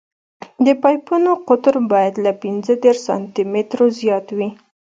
د پایپونو قطر باید له پینځه دېرش سانتي مترو زیات وي